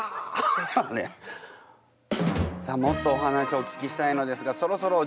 さあもっとお話お聞きしたいのですがそろそろお時間のようです。